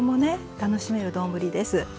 楽しめる丼です。